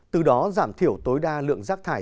từ đó giảm thiểu tối đa lượng rác thải